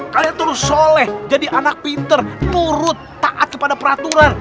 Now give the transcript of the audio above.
kalian turut soleh jadi anak pinter turut taat kepada peraturan